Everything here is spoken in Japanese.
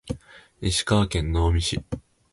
石川県能美市